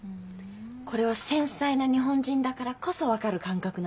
これは繊細な日本人だからこそ分かる感覚なの。